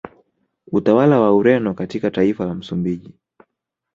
Utawala wa Ureno katika taifa la Msumbiji